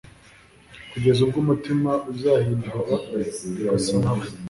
kugeza ubwo umutima uzahindurwa, ugasa na we.